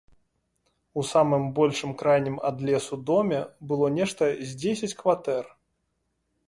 У самым большым, крайнім ад лесу, доме было нешта з дзесяць кватэр.